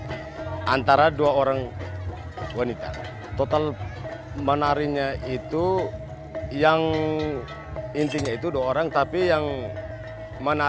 ini menandakan apa